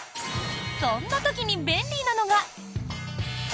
そんな時に便利なのが。